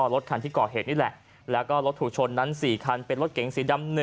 รถที่เกาะเหตุ๔คันเป็นรถเก๋งสีดำ๑